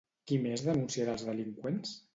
Qui més denunciarà els delinqüents?